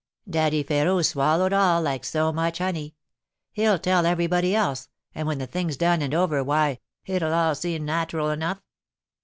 Daddy Férot swallowed all, like so much honey; he'll tell everybody else, and when the thing's done and over, why, it'll all seem nat'ral enough."